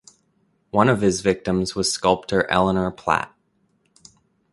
One of his victims was sculptor Eleanor Platt.